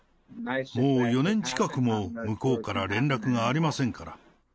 もう４年近くも、向こうから連絡がありませんから。